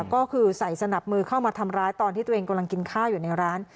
ก็คือใส่สนับมือเข้ามาทำร้ายตอนที่ตัวเองกำลังกินข้าวอยู่ในร้าน